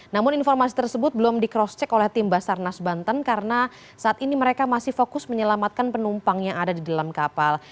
namun informasi tersebut belum di cross check oleh tim basarnas banten karena saat ini mereka masih fokus menyelamatkan penumpang yang ada di dalam kapal